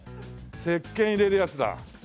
せっけん入れるやつだ。